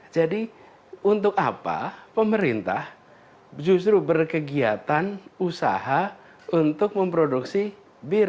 jadi untuk apa pemerintah justru berkegiatan usaha untuk memproduksi bir